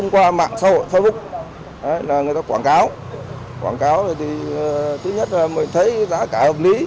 quảng cáo quảng cáo thì thứ nhất là mình thấy giá cả hợp lý